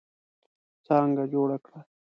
څانګه جوړه کړه.